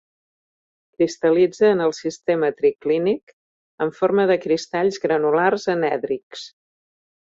Cristal·litza en el sistema triclínic en forma de cristalls granulars anèdrics.